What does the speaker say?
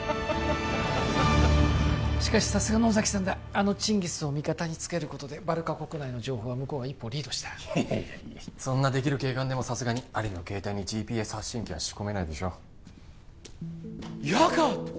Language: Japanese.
あのチンギスを味方につけることでバルカ国内の情報は向こうが一歩リードしたいやいやいやそんなできる警官でもさすがにアリの携帯に ＧＰＳ 発信機は仕込めないでしょヤーガード！